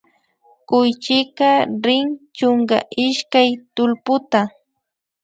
Kuychika chrin chunka ishkay tullputa